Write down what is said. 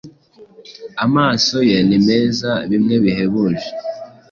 amaso ye nimeza bimwe bihebuje